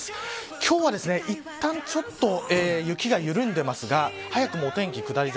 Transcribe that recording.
今日はいったん、ちょっと雪が緩んでますが早くもお天気、下り坂。